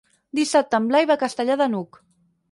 Dissabte en Blai va a Castellar de n'Hug.